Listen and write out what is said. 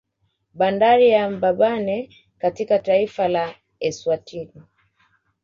Bandari ya Mbabane katika taifa la Eswatini